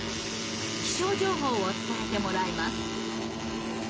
気象情報を伝えてもらいます。